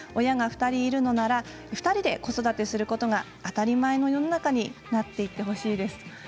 親が２人いるのなら、２人で子育てすることが当たり前の世の中になっていってほしいです。